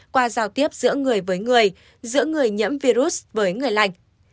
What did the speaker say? qua giao tiếp giữa người với người giữa người nhiễm virus với người lành